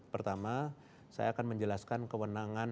pertama saya akan menjelaskan kewenangan